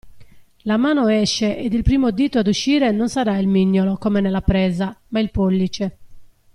La mano esce ed il primo dito ad uscire non sarà il migliolo come nella presa, ma il pollice.